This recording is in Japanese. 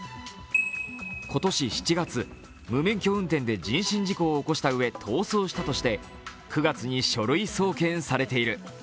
今年７月、無免許運転で人身事故を起こしたうえ逃走したとして９月に書類送検されている。